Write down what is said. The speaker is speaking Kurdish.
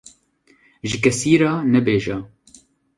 ji kesî re nebêje.